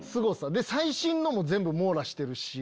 最新のも全部網羅してるし。